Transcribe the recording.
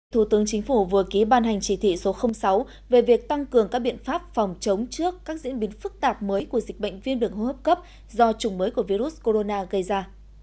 thủ tướng chính phủ vừa ký ban hành chỉ thị số sáu về việc tăng cường các biện pháp phòng chống trước các diễn biến phức tạp mới của dịch bệnh viêm đường hô hấp cấp do chủng mới của virus corona gây ra